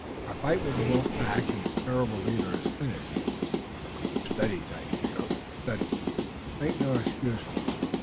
Our fight with the wolf pack and its terrible leader is finished. Steady, Dagaeoga! Steady! Make no excuses!